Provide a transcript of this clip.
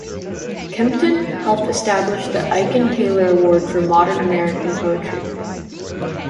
Kempton helped establish the Aiken Taylor Award for Modern American Poetry.